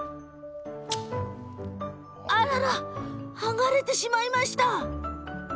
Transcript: あらら、剥がれてしまいました。